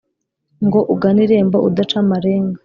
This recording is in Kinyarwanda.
ngo ugane irembo udaca amarenga